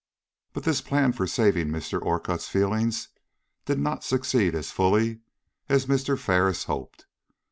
But this plan for saving Mr. Orcutt's feelings did not succeed as fully as Mr. Ferris hoped.